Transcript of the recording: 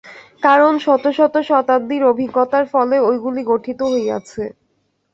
কারণ শত শত শতাব্দীর অভিজ্ঞতার ফলে ঐগুলি গঠিত হইয়াছে।